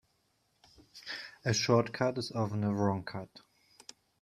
A short cut is often a wrong cut.